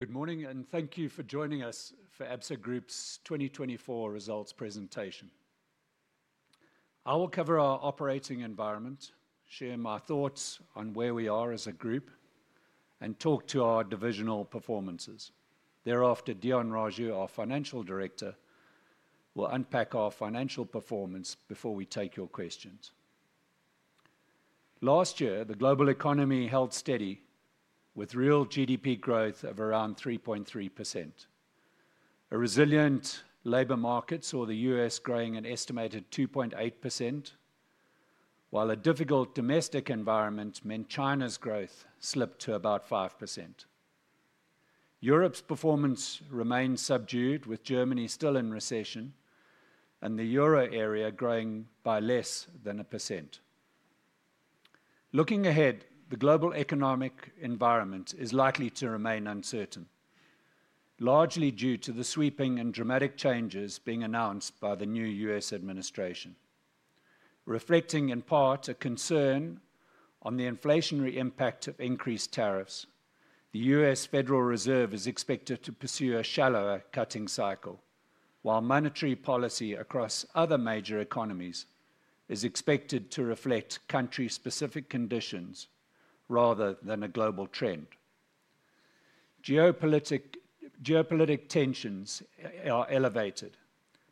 Good morning, and thank you for joining us for Absa Group's 2024 results presentation. I will cover our operating environment, share my thoughts on where we are as a group, and talk to our divisional performances. Thereafter, Deon Raju, our Financial Director, will unpack our financial performance before we take your questions. Last year, the global economy held steady, with real GDP growth of around 3.3%. A resilient labor market saw the U.S. growing an estimated 2.8%, while a difficult domestic environment meant China's growth slipped to about 5%. Europe's performance remained subdued, with Germany still in recession and the euro area growing by less than 1%. Looking ahead, the global economic environment is likely to remain uncertain, largely due to the sweeping and dramatic changes being announced by the new U.S. administration. Reflecting in part a concern on the inflationary impact of increased tariffs, the U.S. Federal Reserve is expected to pursue a shallower cutting cycle, while monetary policy across other major economies is expected to reflect country-specific conditions rather than a global trend. Geopolitical tensions are elevated,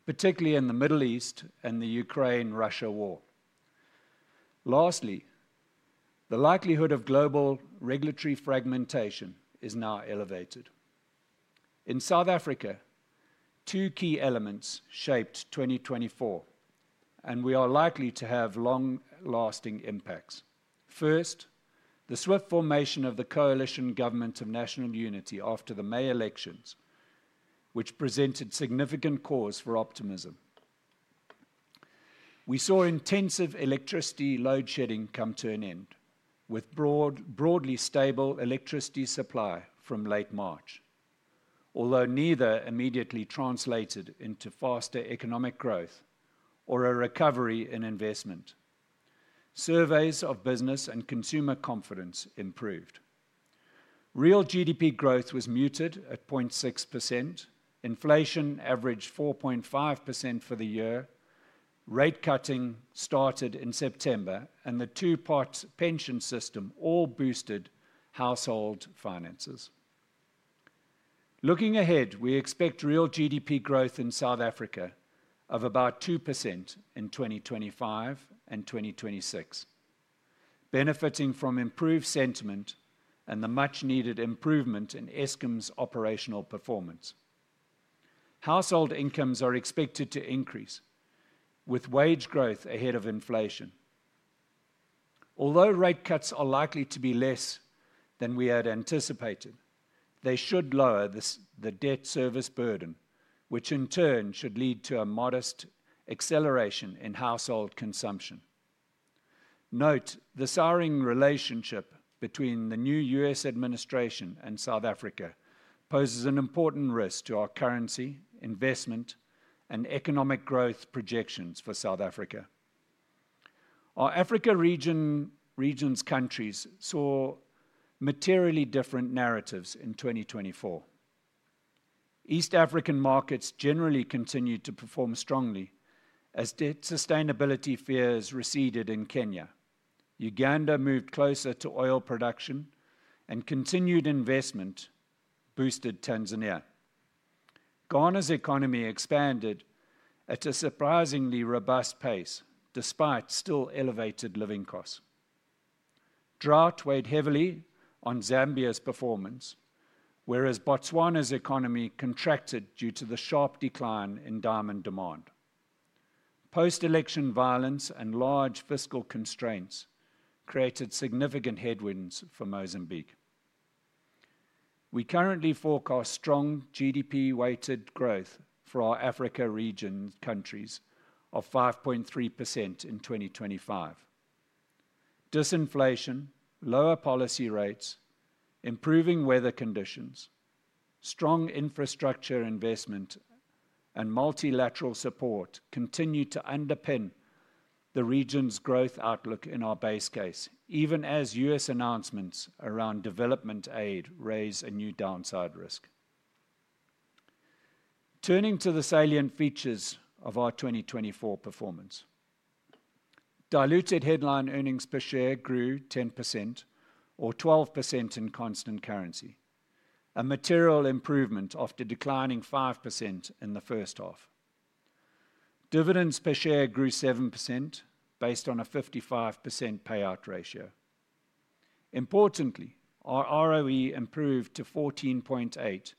particularly in the Middle East and the Ukraine-Russia war. Lastly, the likelihood of global regulatory fragmentation is now elevated. In South Africa, two key elements shaped 2024, and we are likely to have long-lasting impacts. First, the swift formation of the coalition Government of National Unity after the May elections, which presented significant cause for optimism. We saw intensive electricity load-shedding come to an end, with broadly stable electricity supply from late March, although neither immediately translated into faster economic growth or a recovery in investment. Surveys of business and consumer confidence improved. Real GDP growth was muted at 0.6%, inflation averaged 4.5% for the year. Rate cutting started in September, and the two-part pension system all boosted household finances. Looking ahead, we expect real GDP growth in South Africa of about 2% in 2025 and 2026, benefiting from improved sentiment and the much-needed improvement in Eskom's operational performance. Household incomes are expected to increase, with wage growth ahead of inflation. Although rate cuts are likely to be less than we had anticipated, they should lower the debt service burden, which in turn should lead to a modest acceleration in household consumption. Note, the souring relationship between the new U.S. administration and South Africa poses an important risk to our currency, investment, and economic growth projections for South Africa. Our Africa region's countries saw materially different narratives in 2024. East African markets generally continued to perform strongly as sustainability fears receded in Kenya. Uganda moved closer to oil production, and continued investment boosted Tanzania. Ghana's economy expanded at a surprisingly robust pace despite still elevated living costs. Drought weighed heavily on Zambia's performance, whereas Botswana's economy contracted due to the sharp decline in diamond demand. Post-election violence and large fiscal constraints created significant headwinds for Mozambique. We currently forecast strong GDP-weighted growth for our Africa region countries of 5.3% in 2025. Disinflation, lower policy rates, improving weather conditions, strong infrastructure investment, and multilateral support continue to underpin the region's growth outlook in our base case, even as U.S. announcements around development aid raise a new downside risk. Turning to the salient features of our 2024 performance, diluted headline earnings per share grew 10% or 12% in constant currency, a material improvement after declining 5% in the first half. Dividends per share grew 7% based on a 55% payout ratio. Importantly, our ROE improved to 14.8%,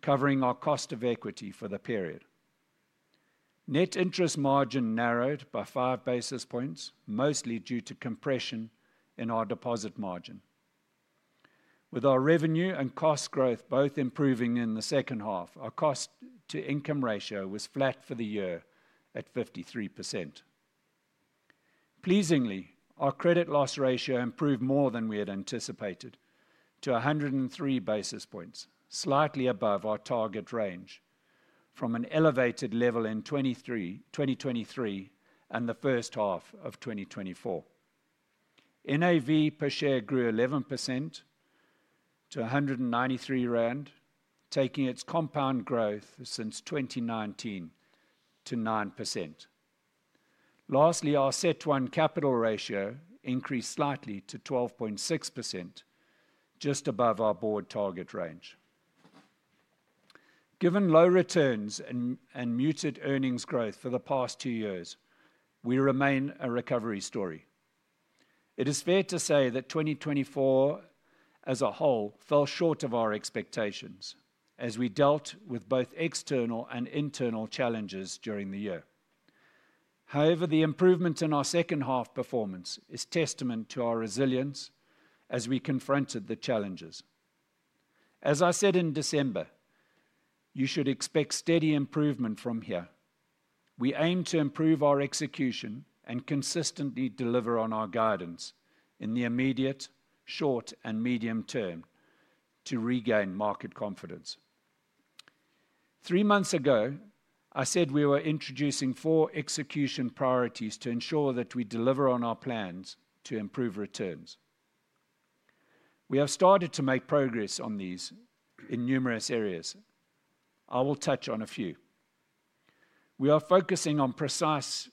covering our cost of equity for the period. Net interest margin narrowed by five basis points, mostly due to compression in our deposit margin. With our revenue and cost growth both improving in the second half, our cost-to-income ratio was flat for the year at 53%. Pleasingly, our credit loss ratio improved more than we had anticipated to 103 basis points, slightly above our target range from an elevated level in 2023 and the first half of 2024. NAV per share grew 11% to 193 rand, taking its compound growth since 2019 to 9%. Lastly, our CET1 capital ratio increased slightly to 12.6%, just above our board target range. Given low returns and muted earnings growth for the past two years, we remain a recovery story. It is fair to say that 2024 as a whole fell short of our expectations as we dealt with both external and internal challenges during the year. However, the improvement in our second half performance is testament to our resilience as we confronted the challenges. As I said in December, you should expect steady improvement from here. We aim to improve our execution and consistently deliver on our guidance in the immediate, short, and medium term to regain market confidence. Three months ago, I said we were introducing four execution priorities to ensure that we deliver on our plans to improve returns. We have started to make progress on these in numerous areas. I will touch on a few. We are focusing on precise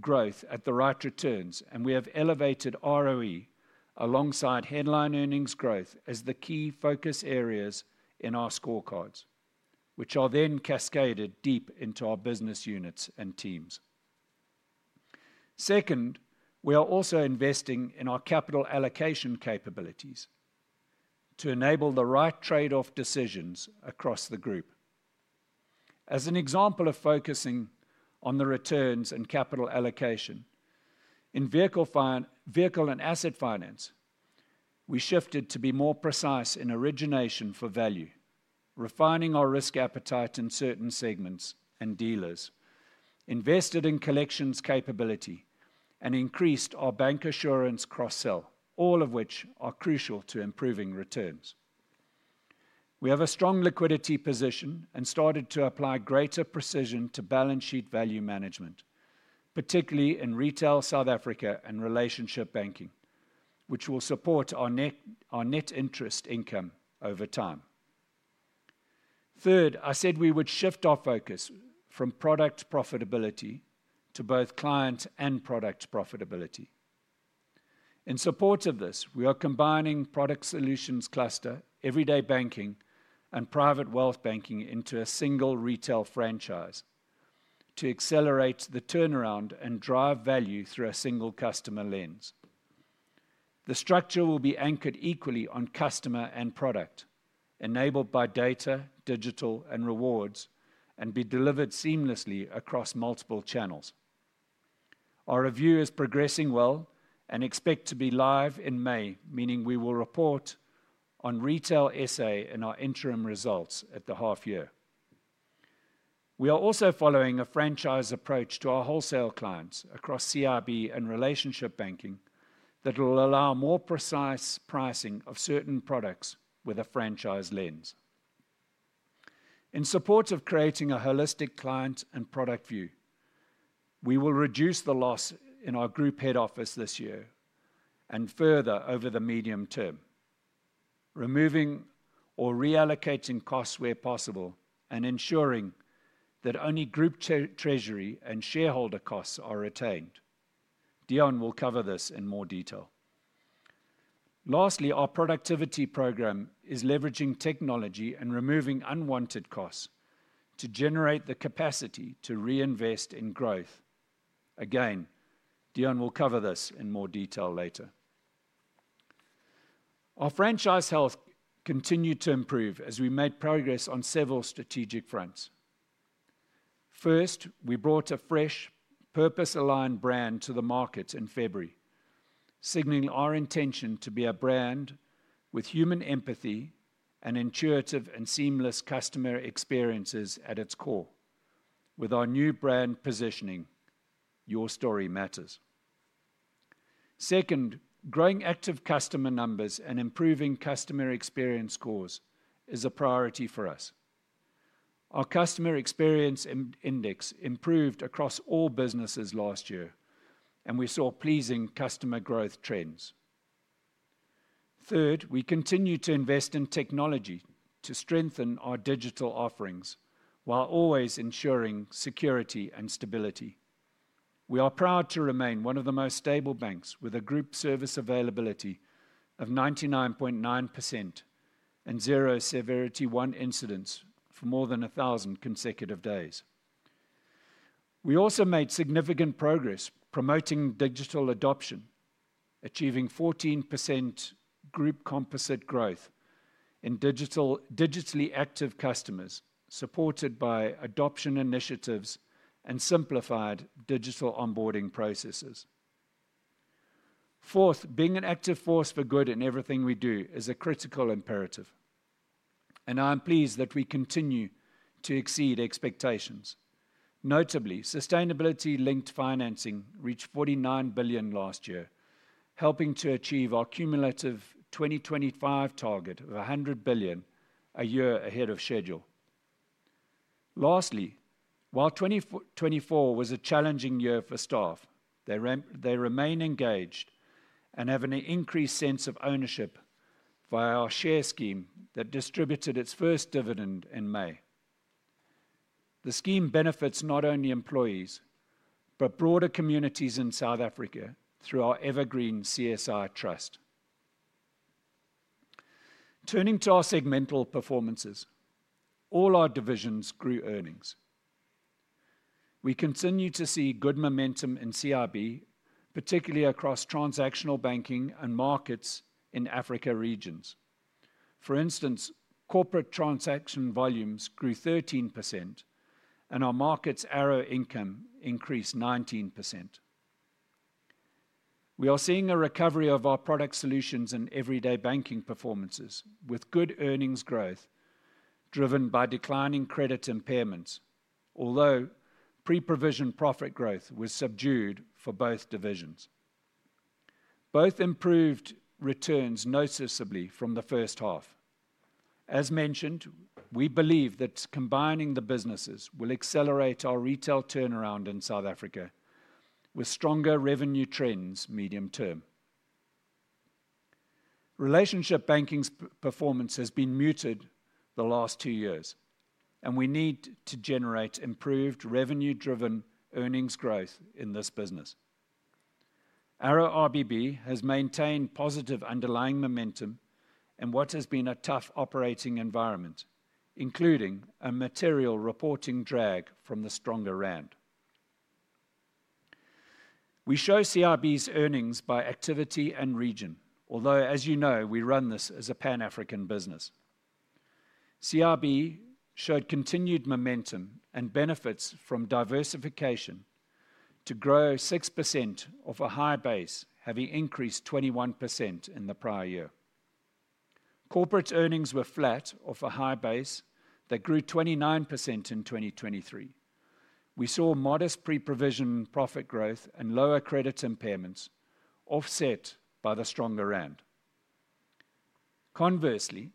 growth at the right returns, and we have elevated ROE alongside headline earnings growth as the key focus areas in our scorecards, which are then cascaded deep into our business units and teams. Second, we are also investing in our capital allocation capabilities to enable the right trade-off decisions across the group. As an example of focusing on the returns and capital allocation, in vehicle and asset finance, we shifted to be more precise in origination for value, refining our risk appetite in certain segments and dealers, invested in collections capability, and increased our bank assurance cross-sell, all of which are crucial to improving returns. We have a strong liquidity position and started to apply greater precision to balance sheet value management, particularly in retail South Africa and relationship banking, which will support our net interest income over time. Third, I said we would shift our focus from product profitability to both client and product profitability. In support of this, we are combining product solutions cluster, everyday banking, and private wealth banking into a single retail franchise to accelerate the turnaround and drive value through a single customer lens. The structure will be anchored equally on customer and product, enabled by data, digital, and rewards, and be delivered seamlessly across multiple channels. Our review is progressing well and expect to be live in May, meaning we will report on retail SA in our interim results at the half year. We are also following a franchise approach to our wholesale clients across CRB and relationship banking that will allow more precise pricing of certain products with a franchise lens. In support of creating a holistic client and product view, we will reduce the loss in our group head office this year and further over the medium term, removing or reallocating costs where possible and ensuring that only group treasury and shareholder costs are retained. Deon will cover this in more detail. Lastly, our productivity program is leveraging technology and removing unwanted costs to generate the capacity to reinvest in growth. Again, Deon will cover this in more detail later. Our franchise health continued to improve as we made progress on several strategic fronts. First, we brought a fresh, purpose-aligned brand to the market in February, signaling our intention to be a brand with human empathy and intuitive and seamless customer experiences at its core, with our new brand positioning, "Your story matters." Second, growing active customer numbers and improving customer experience scores is a priority for us. Our customer experience index improved across all businesses last year, and we saw pleasing customer growth trends. Third, we continue to invest in technology to strengthen our digital offerings while always ensuring security and stability. We are proud to remain one of the most stable banks with a group service availability of 99.9% and zero Severity One incidents for more than 1,000 consecutive days. We also made significant progress promoting digital adoption, achieving 14% group composite growth in digitally active customers supported by adoption initiatives and simplified digital onboarding processes. Fourth, being an active force for good in everything we do is a critical imperative, and I am pleased that we continue to exceed expectations. Notably, sustainability-linked financing reached 49 billion last year, helping to achieve our cumulative 2025 target of 100 billion a year ahead of schedule. Lastly, while 2024 was a challenging year for staff, they remain engaged and have an increased sense of ownership via our share scheme that distributed its first dividend in May. The scheme benefits not only employees but broader communities in South Africa through our evergreen CSI Trust. Turning to our segmental performances, all our divisions grew earnings. We continue to see good momentum in CRB, particularly across transactional banking and markets in Africa regions. For instance, corporate transaction volumes grew 13%, and our markets' arrow income increased 19%. We are seeing a recovery of our product solutions and everyday banking performances with good earnings growth driven by declining credit impairments, although pre-provision profit growth was subdued for both divisions. Both improved returns noticeably from the first half. As mentioned, we believe that combining the businesses will accelerate our retail turnaround in South Africa with stronger revenue trends medium term. Relationship banking's performance has been muted the last two years, and we need to generate improved revenue-driven earnings growth in this business. ARO-RBB has maintained positive underlying momentum in what has been a tough operating environment, including a material reporting drag from the stronger rand. We show CRB's earnings by activity and region, although, as you know, we run this as a Pan-African business. CRB showed continued momentum and benefits from diversification to grow 6% off a high base, having increased 21% in the prior year. Corporate earnings were flat off a high base that grew 29% in 2023. We saw modest pre-provision profit growth and lower credit impairments offset by the stronger rand. Conversely,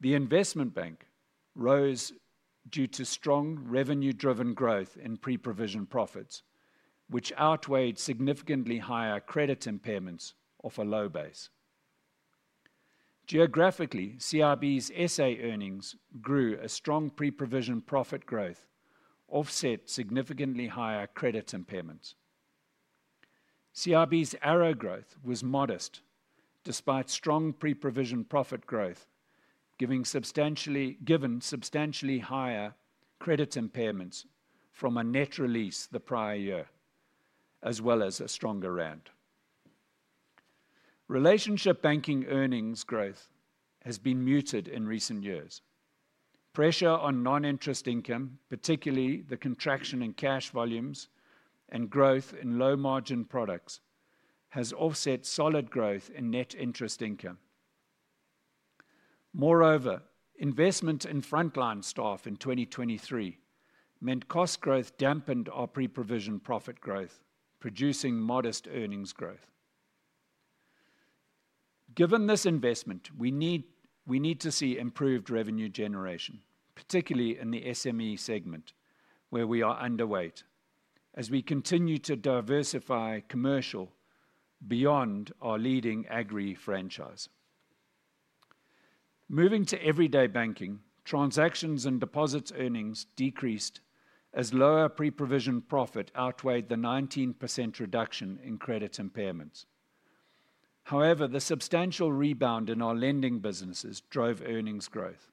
the investment bank rose due to strong revenue-driven growth in pre-provision profits, which outweighed significantly higher credit impairments off a low base. Geographically, CRB's SA earnings grew as strong pre-provision profit growth offset significantly higher credit impairments. CRB's ROE growth was modest despite strong pre-provision profit growth, given substantially higher credit impairments from a net release the prior year, as well as a stronger rand. Relationship banking earnings growth has been muted in recent years. Pressure on non-interest income, particularly the contraction in cash volumes and growth in low-margin products, has offset solid growth in net interest income. Moreover, investment in frontline staff in 2023 meant cost growth dampened our pre-provision profit growth, producing modest earnings growth. Given this investment, we need to see improved revenue generation, particularly in the SME segment where we are underweight as we continue to diversify commercial beyond our leading agri franchise. Moving to everyday banking, transactions and deposits earnings decreased as lower pre-provision profit outweighed the 19% reduction in credit impairments. However, the substantial rebound in our lending businesses drove earnings growth.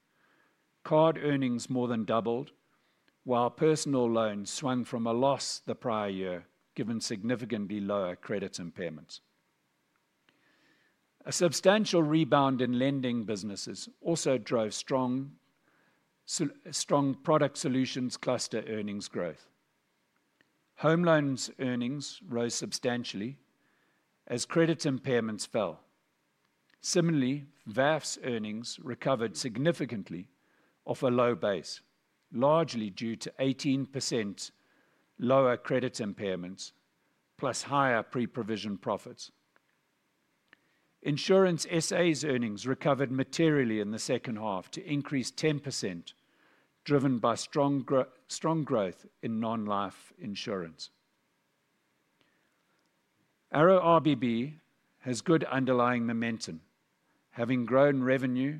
Card earnings more than doubled, while personal loans swung from a loss the prior year, given significantly lower credit impairments. A substantial rebound in lending businesses also drove strong product solutions cluster earnings growth. Home loans earnings rose substantially as credit impairments fell. Similarly, VAF's earnings recovered significantly off a low base, largely due to 18% lower credit impairments plus higher pre-provision profits. Insurance SA's earnings recovered materially in the second half to increase 10%, driven by strong growth in non-life insurance. ARO-RBB has good underlying momentum, having grown revenue,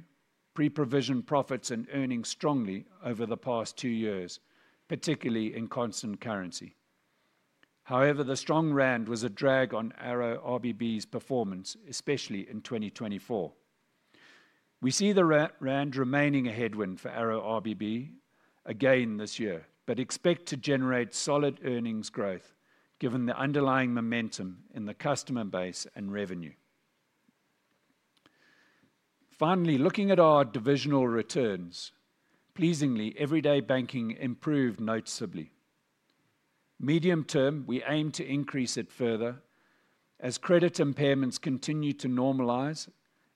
pre-provision profits, and earnings strongly over the past two years, particularly in constant currency. However, the strong rand was a drag on ARO-RBB's performance, especially in 2024. We see the rand remaining a headwind for ARO-RBB again this year, but expect to generate solid earnings growth given the underlying momentum in the customer base and revenue. Finally, looking at our divisional returns, pleasingly, everyday banking improved noticeably. Medium term, we aim to increase it further as credit impairments continue to normalize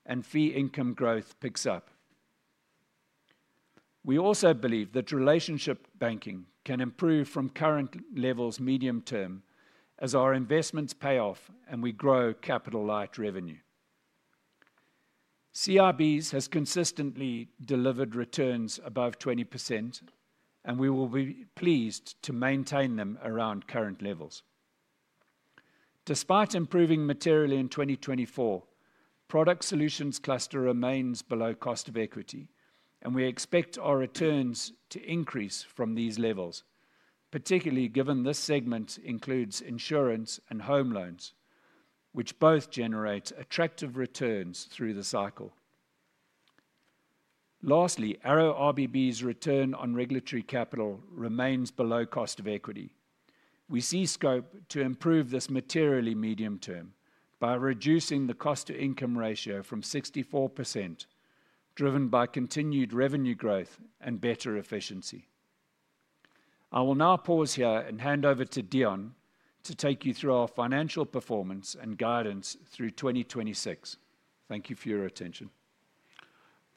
and fee income growth picks up. We also believe that relationship banking can improve from current levels medium term as our investments pay off and we grow capital-light revenue. CRB's has consistently delivered returns above 20%, and we will be pleased to maintain them around current levels. Despite improving materially in 2024, product solutions cluster remains below cost of equity, and we expect our returns to increase from these levels, particularly given this segment includes insurance and home loans, which both generate attractive returns through the cycle. Lastly, ARO-RBB's return on regulatory capital remains below cost of equity. We see scope to improve this materially medium term by reducing the cost-to-income ratio from 64%, driven by continued revenue growth and better efficiency. I will now pause here and hand over to Deon to take you through our financial performance and guidance through 2026. Thank you for your attention.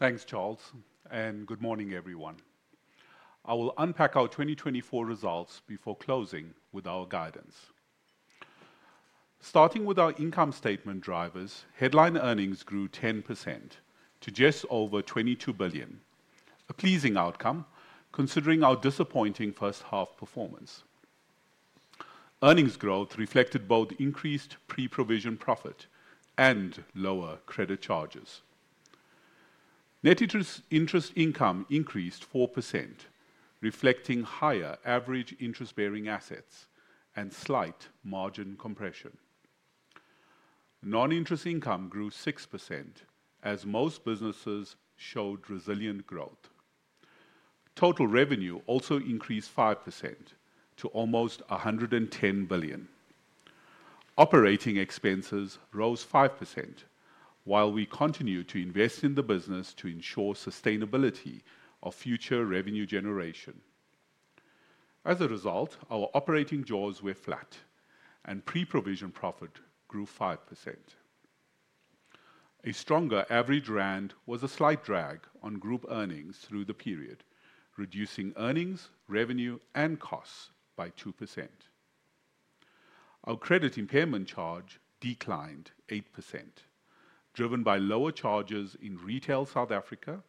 Thanks, Charles. Good morning, everyone. I will unpack our 2024 results before closing with our guidance. Starting with our income statement drivers, headline earnings grew 10% to just over 22 billion, a pleasing outcome considering our disappointing first half performance. Earnings growth reflected both increased pre-provision profit and lower credit charges. Net interest income increased 4%, reflecting higher average interest-bearing assets and slight margin compression. Non-interest income grew 6% as most businesses showed resilient growth. Total revenue also increased 5% to almost 110 billion. Operating expenses rose 5%, while we continue to invest in the business to ensure sustainability of future revenue generation. As a result, our operating jaws were flat, and pre-provision profit grew 5%. A stronger average rand was a slight drag on group earnings through the period, reducing earnings, revenue, and costs by 2%. Our credit impairment charge declined 8%, driven by lower charges in retail South Africa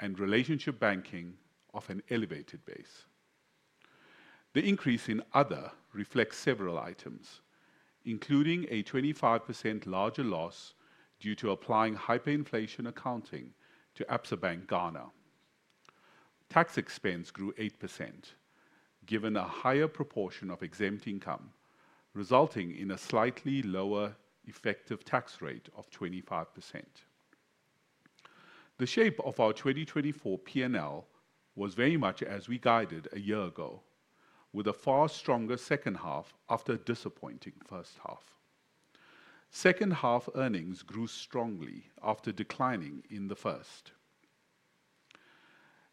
and relationship banking off an elevated base. The increase in Other reflects several items, including a 25% larger loss due to applying hyperinflation accounting to Absa Bank Ghana. Tax expense grew 8%, given a higher proportion of exempt income, resulting in a slightly lower effective tax rate of 25%. The shape of our 2024 P&L was very much as we guided a year ago, with a far stronger second half after a disappointing first half. Second half earnings grew strongly after declining in the first.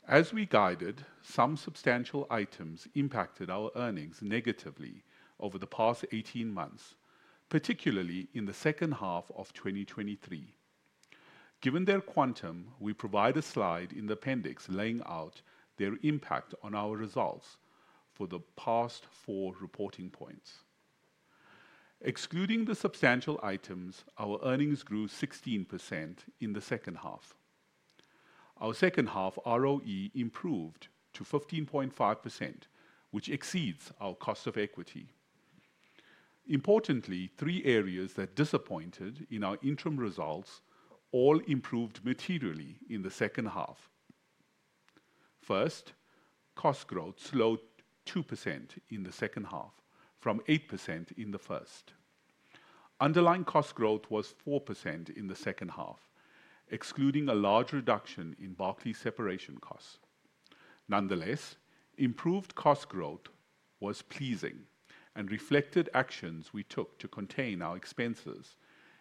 As we guided, some substantial items impacted our earnings negatively over the past 18 months, particularly in the second half of 2023. Given their quantum, we provide a slide in the appendix laying out their impact on our results for the past four reporting points. Excluding the substantial items, our earnings grew 16% in the second half. Our second half ROE improved to 15.5%, which exceeds our cost of equity. Importantly, three areas that disappointed in our interim results all improved materially in the second half. First, cost growth slowed 2% in the second half from 8% in the first. Underlying cost growth was 4% in the second half, excluding a large reduction in Barclays separation costs. Nonetheless, improved cost growth was pleasing and reflected actions we took to contain our expenses,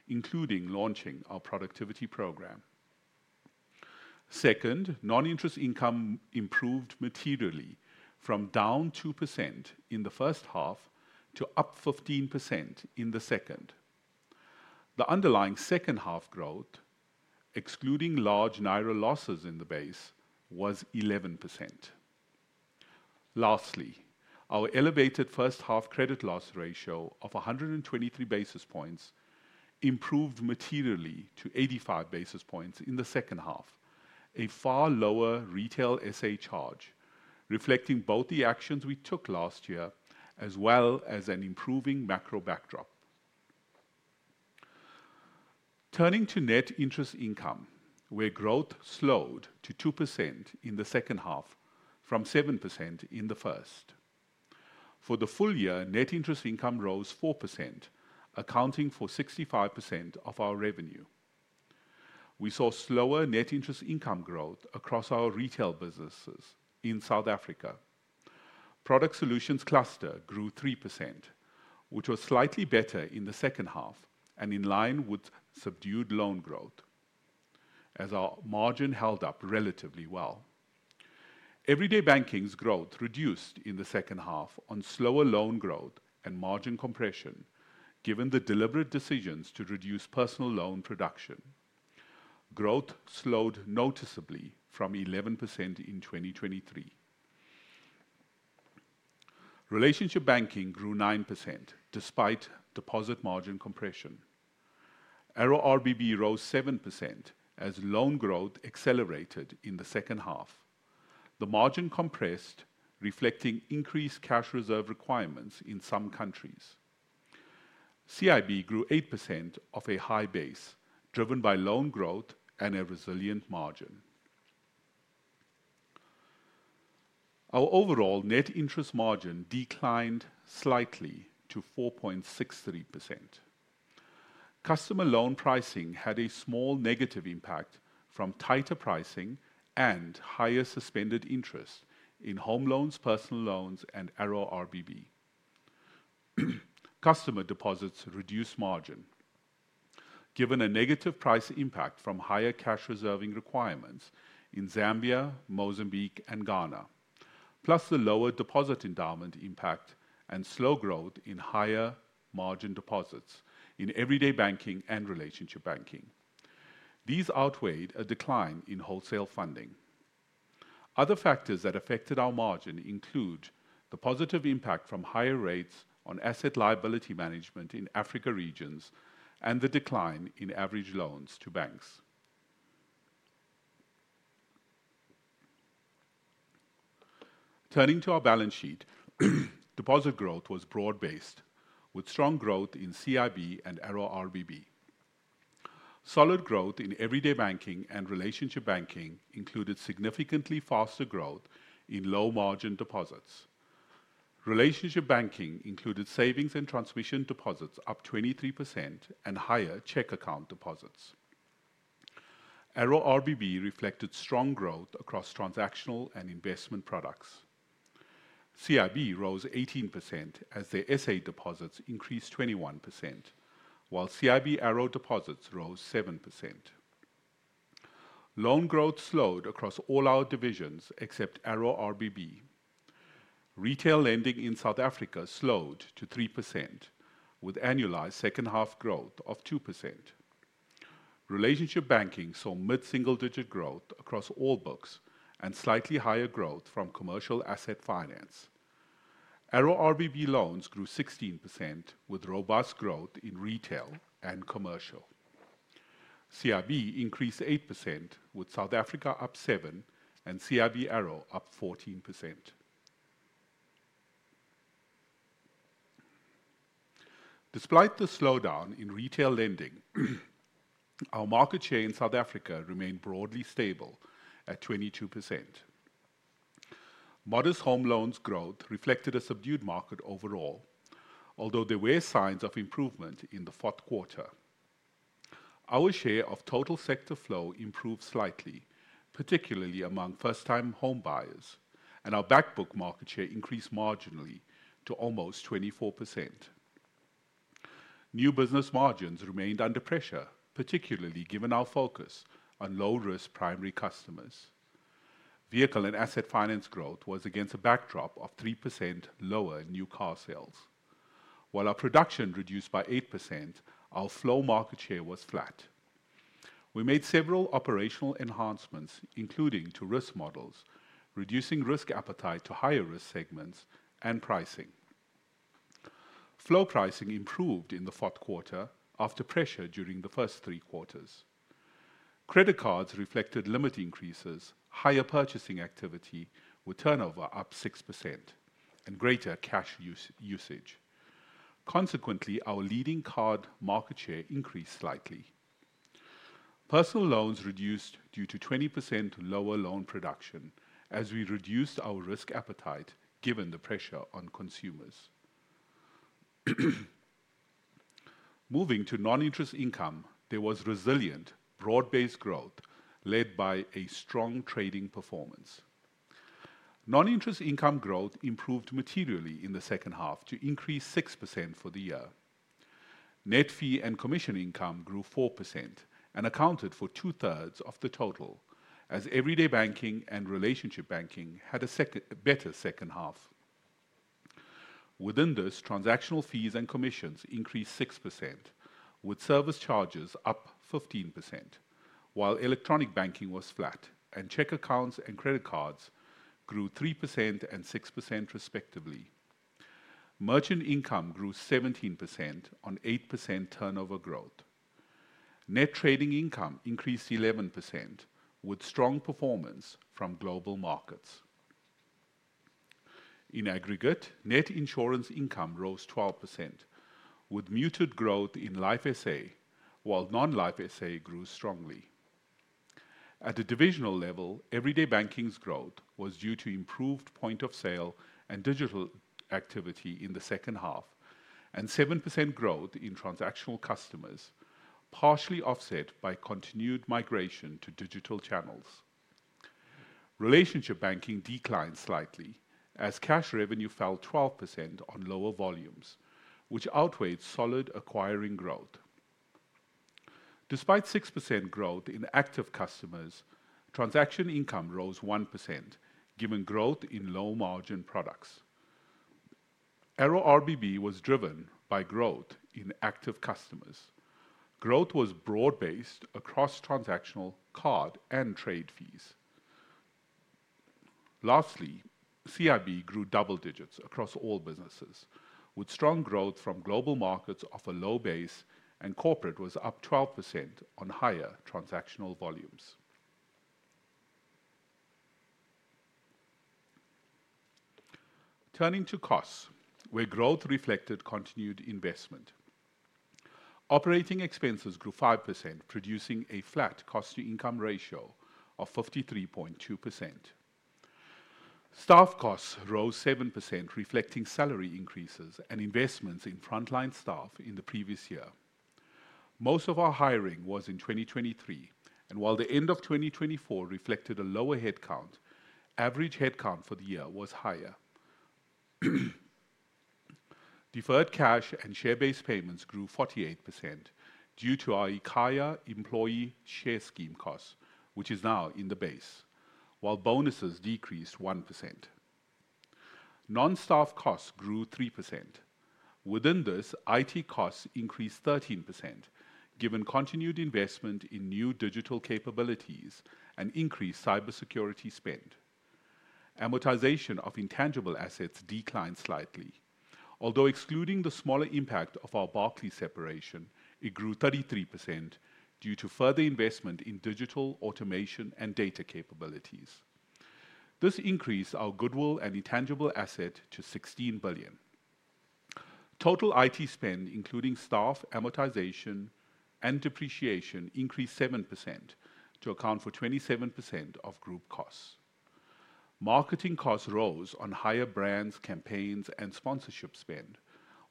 including launching our productivity program. Second, non-interest income improved materially from down 2% in the first half to up 15% in the second. The underlying second half growth, excluding large NIRA losses in the base, was 11%. Lastly, our elevated first half credit loss ratio of 123 basis points improved materially to 85 basis points in the second half, a far lower retail SA charge, reflecting both the actions we took last year as well as an improving macro backdrop. Turning to net interest income, where growth slowed to 2% in the second half from 7% in the first. For the full year, net interest income rose 4%, accounting for 65% of our revenue. We saw slower net interest income growth across our retail businesses in South Africa. Product solutions cluster grew 3%, which was slightly better in the second half and in line with subdued loan growth, as our margin held up relatively well. Everyday banking's growth reduced in the second half on slower loan growth and margin compression, given the deliberate decisions to reduce personal loan production. Growth slowed noticeably from 11% in 2023. Relationship banking grew 9% despite deposit margin compression. ARO-RBB rose 7% as loan growth accelerated in the second half. The margin compressed, reflecting increased cash reserve requirements in some countries. CIB grew 8% off a high base, driven by loan growth and a resilient margin. Our overall net interest margin declined slightly to 4.63%. Customer loan pricing had a small negative impact from tighter pricing and higher suspended interest in home loans, personal loans, and ARO-RBB. Customer deposits reduced margin, given a negative price impact from higher cash reserving requirements in Zambia, Mozambique, and Ghana, plus the lower deposit endowment impact and slow growth in higher margin deposits in everyday banking and relationship banking. These outweighed a decline in wholesale funding. Other factors that affected our margin include the positive impact from higher rates on asset liability management in Africa regions and the decline in average loans to banks. Turning to our balance sheet, deposit growth was broad-based, with strong growth in CIB and ARO-RBB. Solid growth in everyday banking and relationship banking included significantly faster growth in low-margin deposits. Relationship banking included savings and transmission deposits up 23% and higher check account deposits. ARO-RBB reflected strong growth across transactional and investment products. CIB rose 18% as their SA deposits increased 21%, while CIB-ARO deposits rose 7%. Loan growth slowed across all our divisions except ARO-RBB. Retail lending in South Africa slowed to 3%, with annualized second half growth of 2%. Relationship banking saw mid-single digit growth across all books and slightly higher growth from commercial asset finance. ARO-RBB loans grew 16%, with robust growth in retail and commercial. CIB increased 8%, with South Africa up 7% and CIB-ARO up 14%. Despite the slowdown in retail lending, our market share in South Africa remained broadly stable at 22%. Modest home loans growth reflected a subdued market overall, although there were signs of improvement in the fourth quarter. Our share of total sector flow improved slightly, particularly among first-time home buyers, and our backbook market share increased marginally to almost 24%. New business margins remained under pressure, particularly given our focus on low-risk primary customers. Vehicle and asset finance growth was against a backdrop of 3% lower new car sales. While our production reduced by 8%, our flow market share was flat. We made several operational enhancements, including to risk models, reducing risk appetite to higher risk segments and pricing. Flow pricing improved in the fourth quarter after pressure during the first three quarters. Credit cards reflected limit increases, higher purchasing activity with turnover up 6%, and greater cash usage. Consequently, our leading card market share increased slightly. Personal loans reduced due to 20% lower loan production as we reduced our risk appetite, given the pressure on consumers. Moving to non-interest income, there was resilient broad-based growth led by a strong trading performance. Non-interest income growth improved materially in the second half to increase 6% for the year. Net fee and commission income grew 4% and accounted for two-thirds of the total, as everyday banking and relationship banking had a better second half. Within this, transactional fees and commissions increased 6%, with service charges up 15%, while electronic banking was flat, and check accounts and credit cards grew 3% and 6% respectively. Merchant income grew 17% on 8% turnover growth. Net trading income increased 11% with strong performance from global markets. In aggregate, net insurance income rose 12%, with muted growth in life SA, while non-life SA grew strongly. At a divisional level, everyday banking's growth was due to improved point of sale and digital activity in the second half and 7% growth in transactional customers, partially offset by continued migration to digital channels. Relationship banking declined slightly as cash revenue fell 12% on lower volumes, which outweighed solid acquiring growth. Despite 6% growth in active customers, transaction income rose 1%, given growth in low-margin products. ARO-RBB was driven by growth in active customers. Growth was broad-based across transactional card and trade fees. Lastly, CIB grew double digits across all businesses, with strong growth from global markets off a low base, and corporate was up 12% on higher transactional volumes. Turning to costs, where growth reflected continued investment. Operating expenses grew 5%, producing a flat cost-to-income ratio of 53.2%. Staff costs rose 7%, reflecting salary increases and investments in frontline staff in the previous year. Most of our hiring was in 2023, and while the end of 2024 reflected a lower headcount, average headcount for the year was higher. Deferred cash and share-based payments grew 48% due to our eKhaya employee share scheme costs, which is now in the base, while bonuses decreased 1%. Non-staff costs grew 3%. Within this, IT costs increased 13%, given continued investment in new digital capabilities and increased cybersecurity spend. Amortization of intangible assets declined slightly. Although excluding the smaller impact of our Barclays separation, it grew 33% due to further investment in digital automation and data capabilities. This increased our goodwill and intangible asset to ZAR 16 billion. Total IT spend, including staff amortization and depreciation, increased 7% to account for 27% of group costs. Marketing costs rose on higher brands, campaigns, and sponsorship spend,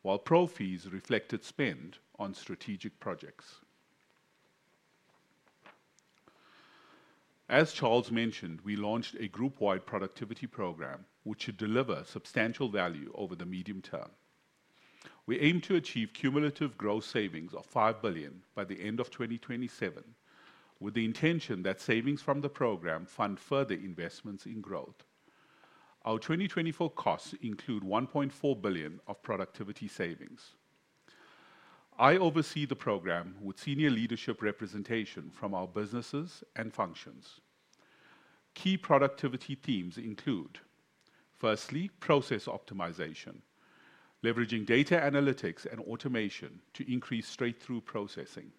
while pro fees reflected spend on strategic projects. As Charles mentioned, we launched a group-wide productivity program, which should deliver substantial value over the medium term. We aim to achieve cumulative gross savings of 5 billion by the end of 2027, with the intention that savings from the program fund further investments in growth. Our 2024 costs include 1.4 billion of productivity savings. I oversee the program with senior leadership representation from our businesses and functions. Key productivity themes include: Firstly, process optimization, leveraging data analytics and automation to increase straight-through processing.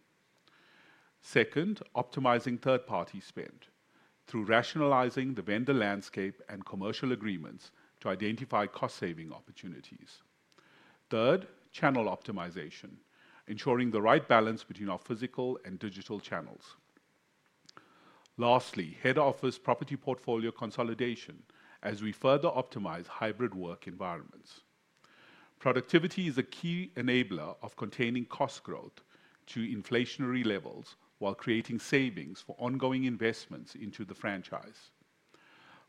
Second, optimizing third-party spend through rationalizing the vendor landscape and commercial agreements to identify cost-saving opportunities. Third, channel optimization, ensuring the right balance between our physical and digital channels. Lastly, head office property portfolio consolidation as we further optimize hybrid work environments. Productivity is a key enabler of containing cost growth to inflationary levels while creating savings for ongoing investments into the franchise.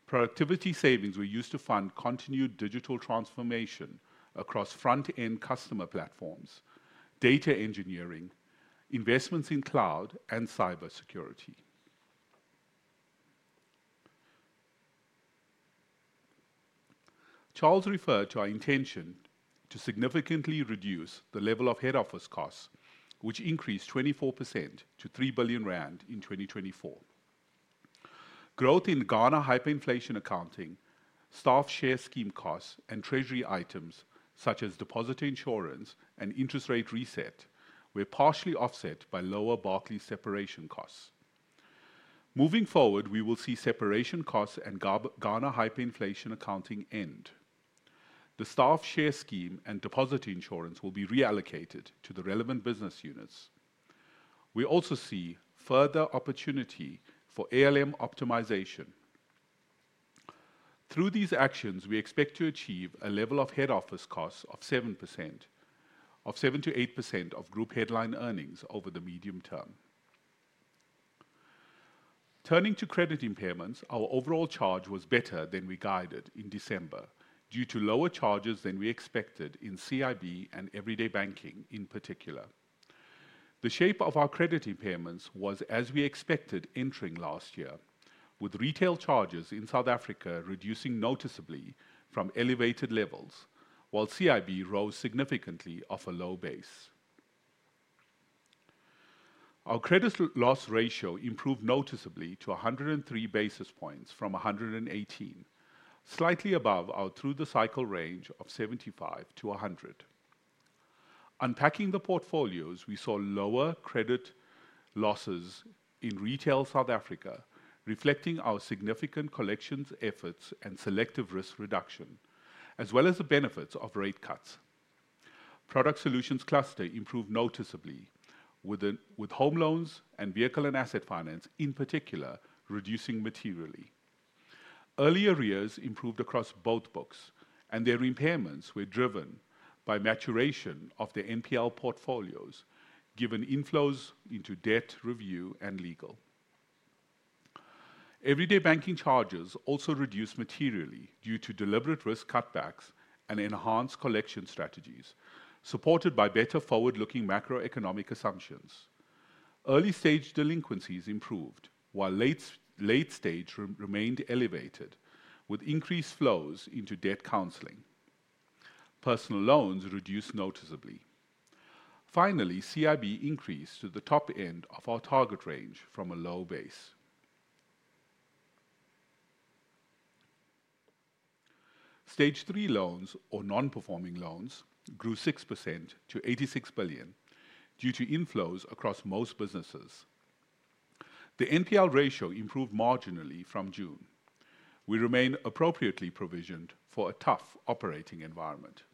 Productivity savings were used to fund continued digital transformation across front-end customer platforms, data engineering, investments in cloud, and cybersecurity. Charles referred to our intention to significantly reduce the level of head office costs, which increased 24% to 3 billion rand in 2024. Growth in Ghana hyperinflation accounting, staff share scheme costs, and treasury items such as deposit insurance and interest rate reset were partially offset by lower Barclays separation costs. Moving forward, we will see separation costs and Ghana hyperinflation accounting end. The staff share scheme and deposit insurance will be reallocated to the relevant business units. We also see further opportunity for ALM optimization. Through these actions, we expect to achieve a level of head office costs of 7%-8% of group headline earnings over the medium term. Turning to credit impairments, our overall charge was better than we guided in December due to lower charges than we expected in CIB and everyday banking in particular. The shape of our credit impairments was as we expected entering last year, with retail charges in South Africa reducing noticeably from elevated levels, while CIB rose significantly off a low base. Our credit loss ratio improved noticeably to 103 basis points from 118, slightly above our through-the-cycle range of 75-100. Unpacking the portfolios, we saw lower credit losses in retail South Africa, reflecting our significant collections efforts and selective risk reduction, as well as the benefits of rate cuts. Product solutions cluster improved noticeably, with home loans and vehicle and asset finance in particular reducing materially. Earlier rears improved across both books, and their impairments were driven by maturation of the NPL portfolios, given inflows into debt review and legal. Everyday banking charges also reduced materially due to deliberate risk cutbacks and enhanced collection strategies, supported by better forward-looking macroeconomic assumptions. Early-stage delinquencies improved, while late-stage remained elevated, with increased flows into debt counseling. Personal loans reduced noticeably. Finally, CIB increased to the top end of our target range from a low base. Stage 3 loans, or non-performing loans, grew 6% to 86 billion due to inflows across most businesses. The NPL ratio improved marginally from June. We remain appropriately provisioned for a tough operating environment.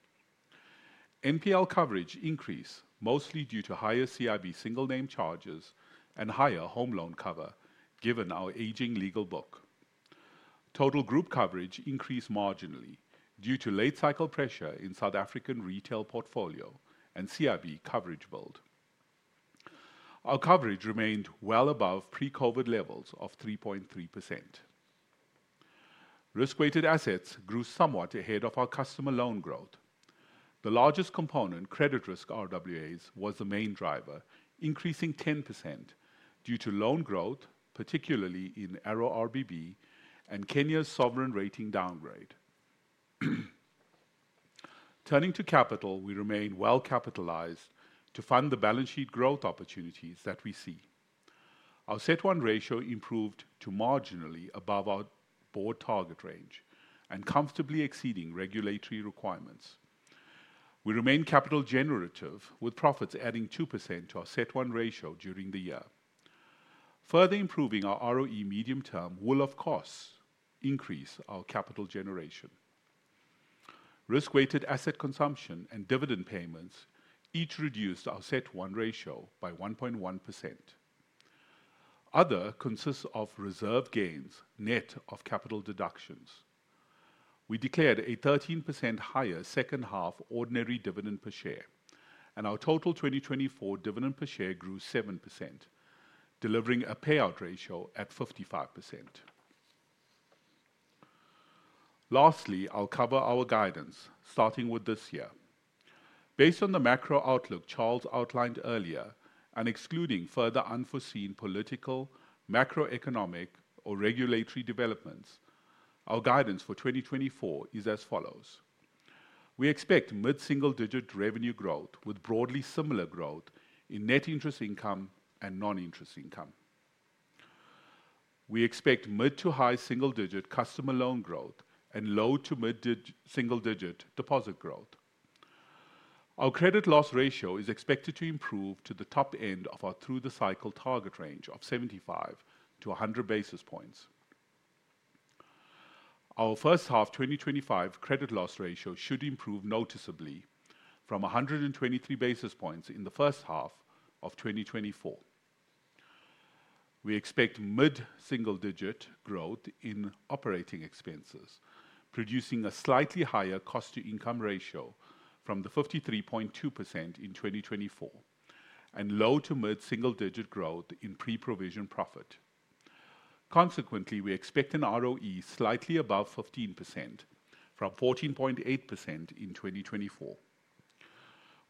NPL coverage increased mostly due to higher CIB single-name charges and higher home loan cover, given our aging legal book. Total group coverage increased marginally due to late-cycle pressure in South African retail portfolio and CIB coverage build. Our coverage remained well above pre-COVID levels of 3.3%. Risk-weighted assets grew somewhat ahead of our customer loan growth. The largest component, credit risk RWAs, was the main driver, increasing 10% due to loan growth, particularly in ARO-RBB and Kenya's sovereign rating downgrade. Turning to capital, we remain well capitalized to fund the balance sheet growth opportunities that we see. Our CET1 ratio improved to marginally above our board target range and comfortably exceeding regulatory requirements. We remain capital generative, with profits adding 2% to our CET1 ratio during the year. Further improving our ROE medium-term will, of course, increase our capital generation. Risk-weighted asset consumption and dividend payments each reduced our CET1 ratio by 1.1%. Other consists of reserve gains net of capital deductions. We declared a 13% higher second-half ordinary dividend per share, and our total 2024 dividend per share grew 7%, delivering a payout ratio at 55%. Lastly, I'll cover our guidance, starting with this year. Based on the macro outlook Charles outlined earlier, and excluding further unforeseen political, macroeconomic, or regulatory developments, our guidance for 2024 is as follows. We expect mid-single-digit revenue growth with broadly similar growth in net interest income and non-interest income. We expect mid to high single-digit customer loan growth and low to mid-single-digit deposit growth. Our credit loss ratio is expected to improve to the top end of our through-the-cycle target range of 75-100 basis points. Our first half 2025 credit loss ratio should improve noticeably from 123 basis points in the first half of 2024. We expect mid-single-digit growth in operating expenses, producing a slightly higher cost-to-income ratio from the 53.2% in 2024 and low to mid-single-digit growth in pre-provision profit. Consequently, we expect an ROE slightly above 15% from 14.8% in 2024.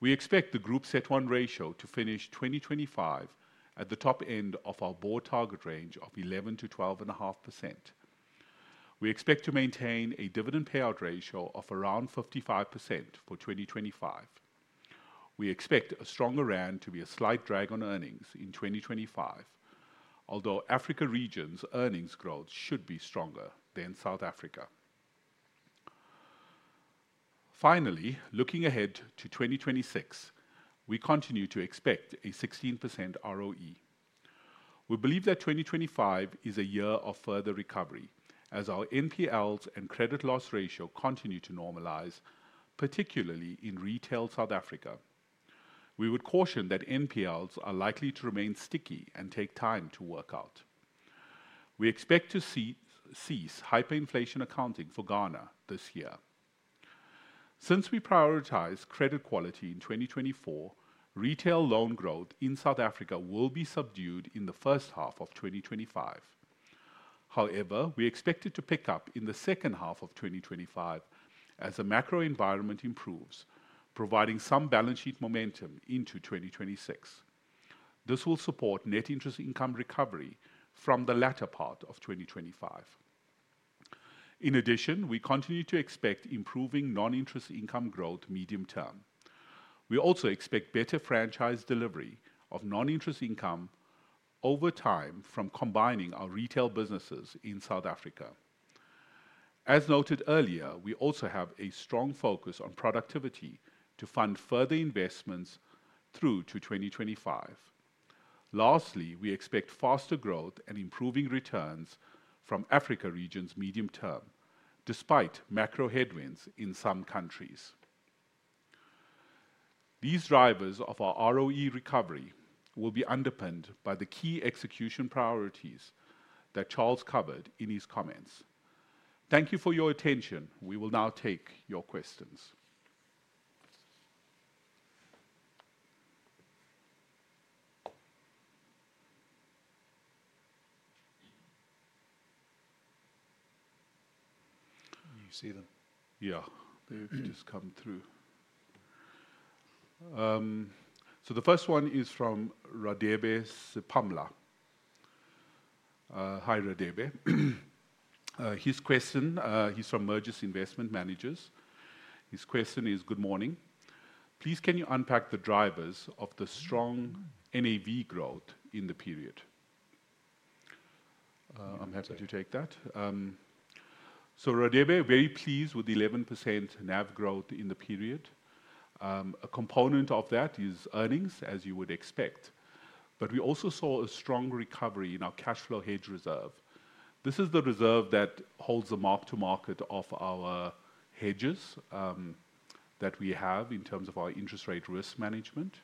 We expect the group CET1 ratio to finish 2025 at the top end of our board target range of 11%-12.5%. We expect to maintain a dividend payout ratio of around 55% for 2025. We expect a stronger rand to be a slight drag on earnings in 2025, although Africa region's earnings growth should be stronger than South Africa. Finally, looking ahead to 2026, we continue to expect a 16% ROE. We believe that 2025 is a year of further recovery as our NPLs and credit loss ratio continue to normalize, particularly in retail South Africa. We would caution that NPLs are likely to remain sticky and take time to work out. We expect to see cease hyperinflation accounting for Ghana this year. Since we prioritize credit quality in 2024, retail loan growth in South Africa will be subdued in the first half of 2025. However, we expect it to pick up in the second half of 2025 as the macro environment improves, providing some balance sheet momentum into 2026. This will support net interest income recovery from the latter part of 2025. In addition, we continue to expect improving non-interest income growth medium-term. We also expect better franchise delivery of non-interest income over time from combining our retail businesses in South Africa. As noted earlier, we also have a strong focus on productivity to fund further investments through to 2025. Lastly, we expect faster growth and improving returns from Africa region's medium-term, despite macro headwinds in some countries. These drivers of our ROE recovery will be underpinned by the key execution priorities that Charles covered in his comments. Thank you for your attention. We will now take your questions. You see them? Yeah, they've just come through. The first one is from Radebe Sipamla. Hi, Radebe. His question, he's from Mergence Investment Managers. His question is, "Good morning. Please, can you unpack the drivers of the strong NAV growth in the period?" I'm happy to take that. Radebe, very pleased with 11% NAV growth in the period. A component of that is earnings, as you would expect. We also saw a strong recovery in our cash flow hedge reserve. This is the reserve that holds the mark-to-market of our hedges that we have in terms of our interest rate risk management.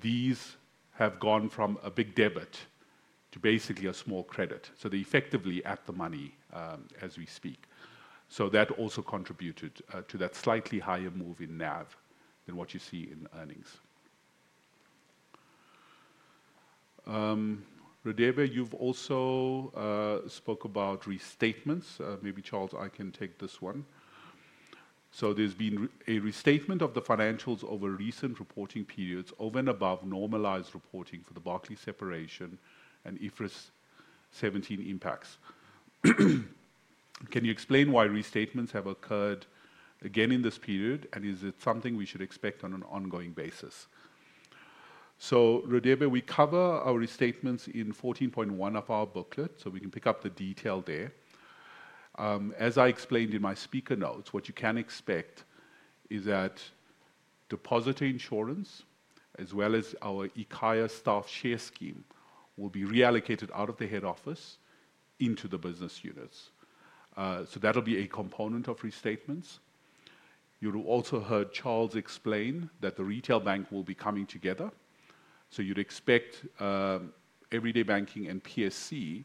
These have gone from a big debit to basically a small credit. They effectively add the money as we speak. That also contributed to that slightly higher move in NAV than what you see in earnings. Radebe, you've also spoke about restatements. Maybe Charles, I can take this one. There's been a restatement of the financials over recent reporting periods over and above normalized reporting for the Barclays separation and IFRS 17 impacts. Can you explain why restatements have occurred again in this period, and is it something we should expect on an ongoing basis? Radebe, we cover our restatements in 14.1 of our booklet, so we can pick up the detail there. As I explained in my speaker notes, what you can expect is that deposit insurance, as well as our eKhaya staff share scheme, will be reallocated out of the head office into the business units. That will be a component of restatements. You also heard Charles explain that the retail bank will be coming together. You'd expect everyday banking and PSC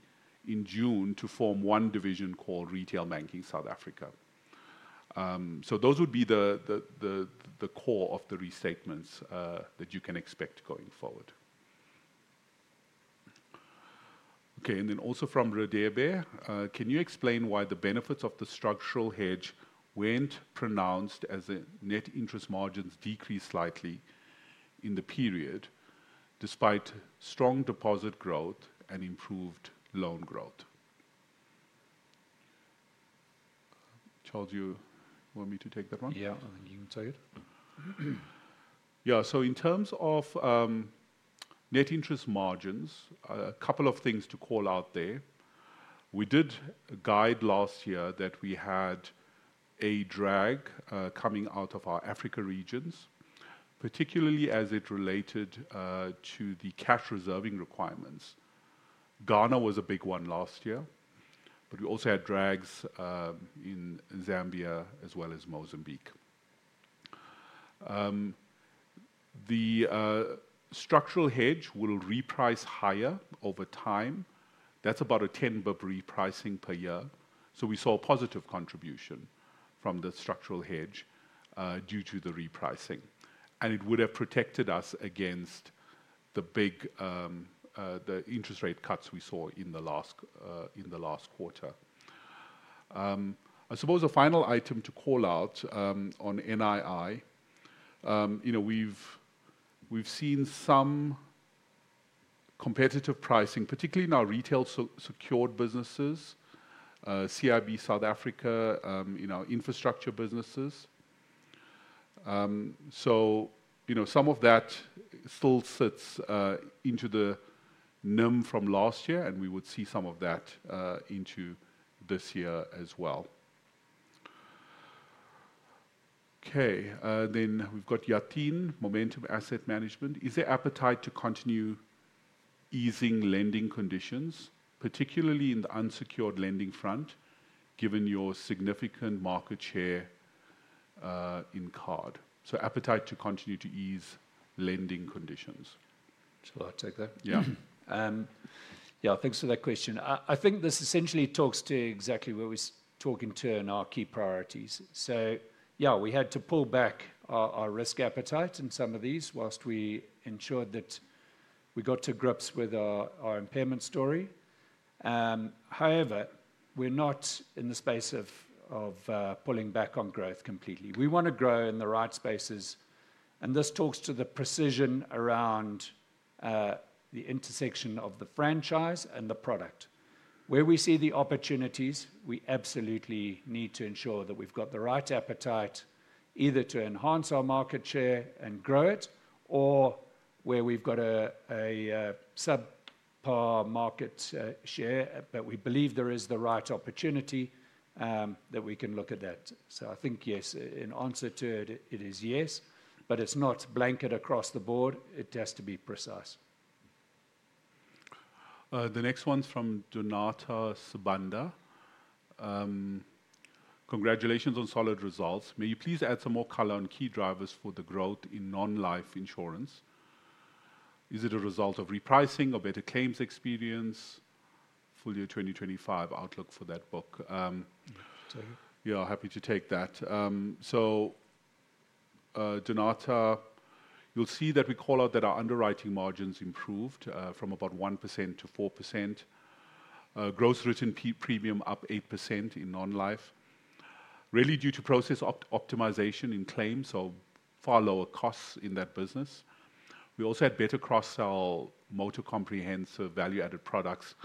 in June to form one division called Retail Banking South Africa. Those would be the core of the restatements that you can expect going forward. Okay, and then also from Radebe, can you explain why the benefits of the structural hedge were not pronounced as the net interest margins decreased slightly in the period, despite strong deposit growth and improved loan growth? Charles, you want me to take that one? Yeah, I think you can take it. Yeah, so in terms of net interest margins, a couple of things to call out there. We did guide last year that we had a drag coming out of our Africa regions, particularly as it related to the cash reserving requirements. Ghana was a big one last year, but we also had drags in Zambia as well as Mozambique. The structural hedge will reprice higher over time. That's about a 10 basis points repricing per year. We saw a positive contribution from the structural hedge due to the repricing. It would have protected us against the big interest rate cuts we saw in the last quarter. I suppose a final item to call out on NII. We've seen some competitive pricing, particularly in our retail secured businesses, CIB South Africa, in our infrastructure businesses. Some of that still sits into the NIM from last year, and we would see some of that into this year as well. Okay, then we've got Yatheen, Momentum Asset Management. Is there appetite to continue easing lending conditions, particularly in the unsecured lending front, given your significant market share in card? So appetite to continue to ease lending conditions. I'll take that. Yeah. Yeah, thanks for that question. I think this essentially talks to exactly where we talk in turn our key priorities. Yeah, we had to pull back our risk appetite in some of these whilst we ensured that we got to grips with our impairment story. However, we're not in the space of pulling back on growth completely. We want to grow in the right spaces. This talks to the precision around the intersection of the franchise and the product. Where we see the opportunities, we absolutely need to ensure that we've got the right appetite either to enhance our market share and grow it, or where we've got a subpar market share, but we believe there is the right opportunity that we can look at that. I think yes, in answer to it, it is yes, but it's not blanket across the board. It has to be precise. The next one's from [Donata Subanda]. Congratulations on solid results. May you please add some more color on key drivers for the growth in non-life insurance? Is it a result of repricing or better claims experience? Fully a 2025 outlook for that book. Sorry. Yeah, happy to take that. [Donata], you'll see that we call out that our underwriting margins improved from about 1% to 4%. Gross written premium up 8% in non-life. Really due to process optimization in claims, so far lower costs in that business. We also had better cross-sell motor comprehensive value-added products.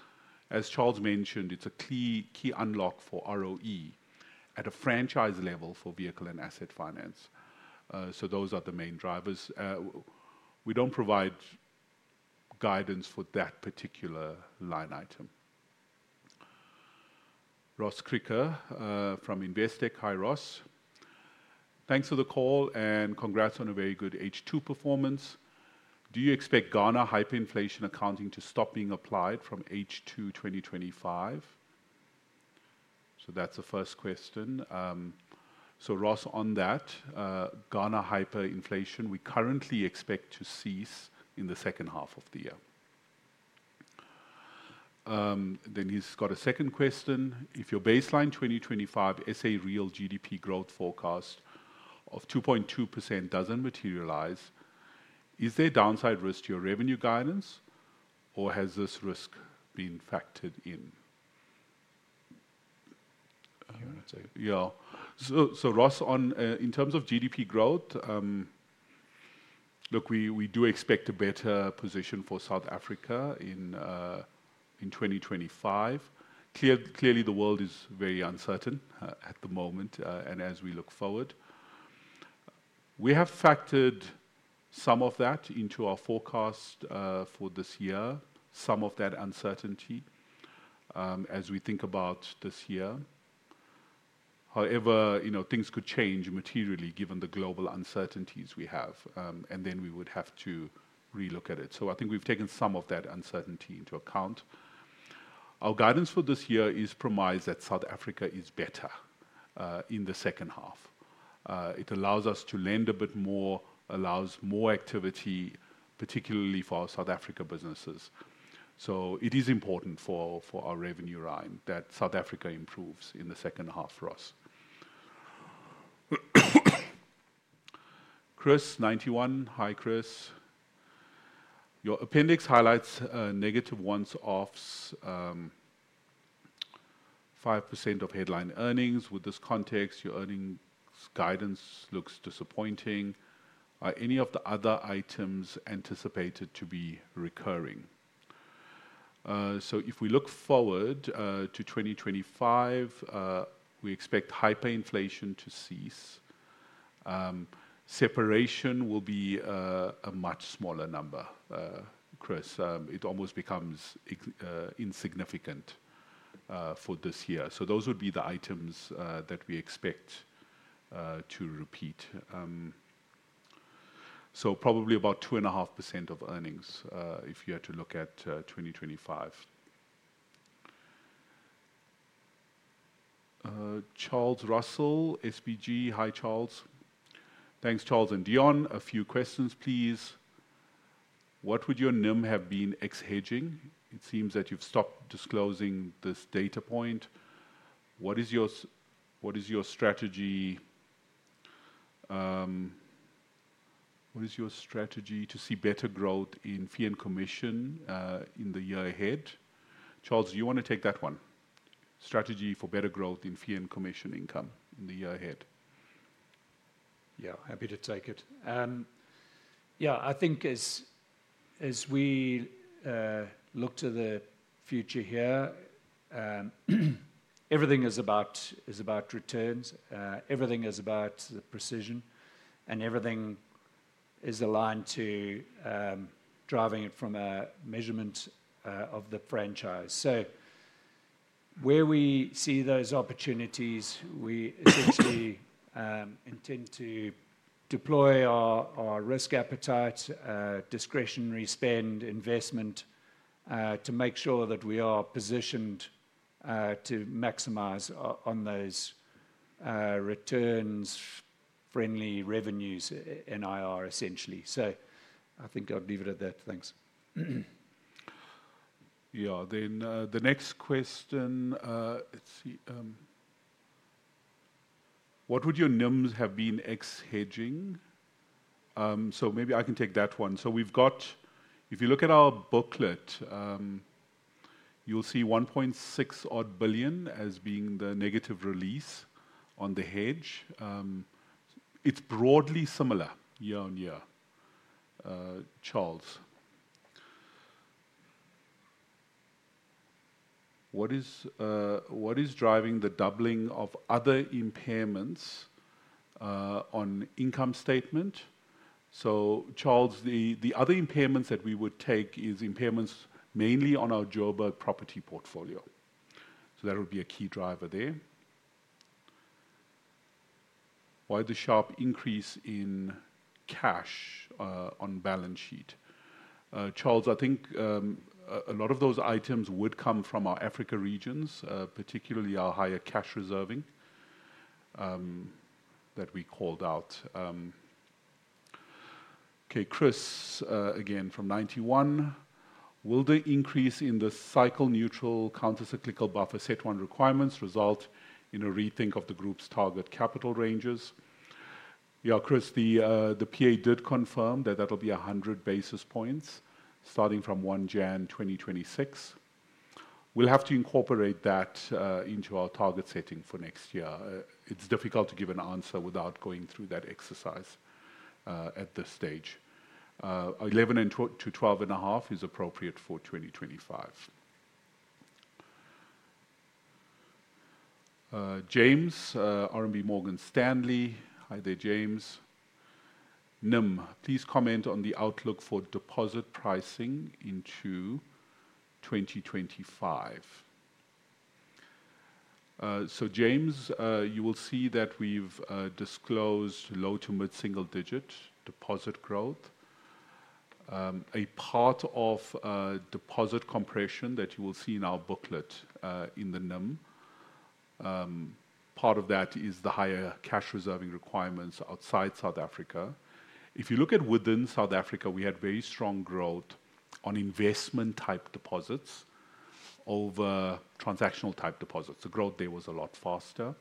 As Charles mentioned, it's a key unlock for ROE at a franchise level for vehicle and asset finance. Those are the main drivers. We don't provide guidance for that particular line item. Ross Krige from Investec, hi Ross. Thanks for the call and congrats on a very good H2 performance. Do you expect Ghana hyperinflation accounting to stop being applied from H2 2025? That's the first question. Ross, on that, Ghana hyperinflation, we currently expect to cease in the second half of the year. Then he's got a second question. If your baseline 2025 SA real GDP growth forecast of 2.2% doesn't materialize, is there downside risk to your revenue guidance or has this risk been factored in? You want to take it. Yeah. Ross, in terms of GDP growth, look, we do expect a better position for South Africa in 2025. Clearly, the world is very uncertain at the moment as we look forward. We have factored some of that into our forecast for this year, some of that uncertainty as we think about this year. However, things could change materially given the global uncertainties we have, and then we would have to relook at it. I think we've taken some of that uncertainty into account. Our guidance for this year is premised that South Africa is better in the second half. It allows us to lend a bit more, allows more activity, particularly for our South Africa businesses. It is important for our revenue rhyme that South Africa improves in the second half for us. Chris, Ninety One, hi Chris. Your appendix highlights negative ones off 5% of headline earnings. With this context, your earnings guidance looks disappointing. Are any of the other items anticipated to be recurring? If we look forward to 2025, we expect hyperinflation to cease. Separation will be a much smaller number, Chris. It almost becomes insignificant for this year. Those would be the items that we expect to repeat. Probably about 2.5% of earnings if you had to look at 2025. Charles Russell, SBG, hi Charles. Thanks Charles and Deon. A few questions, please. What would your NIM have been ex-hedging? It seems that you've stopped disclosing this data point. What is your strategy to see better growth in fee and commission in the year ahead? Charles, you want to take that one? Strategy for better growth in fee and commission income in the year ahead. Yeah, happy to take it. Yeah, I think as we look to the future here, everything is about returns. Everything is about precision, and everything is aligned to driving it from a measurement of the franchise. Where we see those opportunities, we essentially intend to deploy our risk appetite, discretionary spend, investment to make sure that we are positioned to maximize on those returns-friendly revenues in IR essentially. I think I'll leave it at that. Thanks. Yeah, then the next question, let's see. What would your NIMs have been ex-hedging? Maybe I can take that one. If you look at our booklet, you'll see 1.6 odd billion as being the negative release on the hedge. It's broadly similar year on year. Charles. What is driving the doubling of other impairments on income statement? Charles, the other impairments that we would take is impairments mainly on our Johannesburg property portfolio. That would be a key driver there. Why the sharp increase in cash on balance sheet? Charles, I think a lot of those items would come from our Africa regions, particularly our higher cash reserving that we called out. Okay, Chris, again from Ninety One. Will the increase in the cycle neutral countercyclical buffer set one requirements result in a rethink of the group's target capital ranges? Yeah, Chris, the PA did confirm that that'll be 100 basis points starting from 1 Jan 2026. We'll have to incorporate that into our target setting for next year. It's difficult to give an answer without going through that exercise at this stage. 11-12.5 is appropriate for 2025. James, RMB Morgan Stanley, hi there James. NIM, please comment on the outlook for deposit pricing into 2025. James, you will see that we've disclosed low to mid-single digit deposit growth. A part of deposit compression that you will see in our booklet in the NIM. Part of that is the higher cash reserving requirements outside South Africa. If you look at within South Africa, we had very strong growth on investment type deposits over transactional type deposits. The growth there was a lot faster.